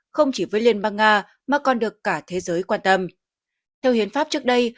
không chỉ với liên bang nga mà còn được cả thế giới quan tâm theo hiến pháp trước đây